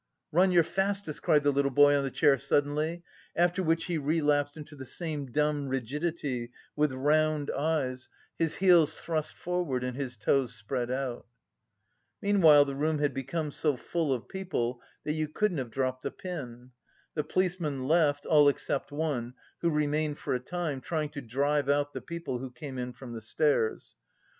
"Run your fastest!" cried the little boy on the chair suddenly, after which he relapsed into the same dumb rigidity, with round eyes, his heels thrust forward and his toes spread out. Meanwhile the room had become so full of people that you couldn't have dropped a pin. The policemen left, all except one, who remained for a time, trying to drive out the people who came in from the stairs.